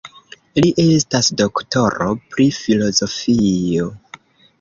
Li estas doktoro pri filozofio.